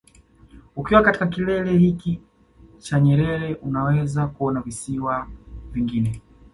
Ukiwa katika kilele hiki cha Nyerere unaweza kuona visiwa vingine